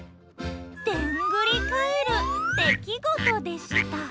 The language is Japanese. でんぐりかえる出来事でした